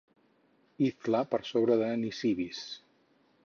Izla per sobre de Nisibis.